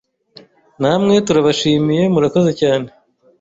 Namwe turabashimiye murakoze cyane.